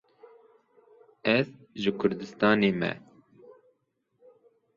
Ez ji Kurdistanê me